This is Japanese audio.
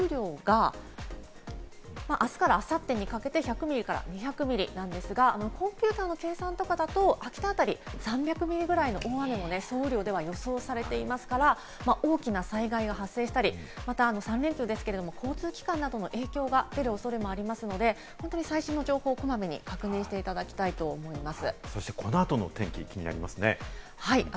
で、予想される雨量があすからあさってにかけて１００ミリから２００ミリですが、コンピューターの計算とかだと秋田あたりは３００ミリぐらいの総雨量が予想されていますから、大きな災害が発生したり、交通機関などの影響が出る恐れもありますので、最新の情報をこまめに確認するようにしていただきたいと思います。